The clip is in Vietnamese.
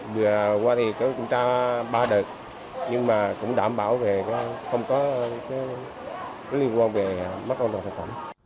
vừa qua thì kiểm tra ba đợt nhưng mà cũng đảm bảo về không có liên quan về mất an toàn thực phẩm